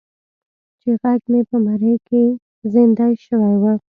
چې غږ مې په مرۍ کې زیندۍ شوی و.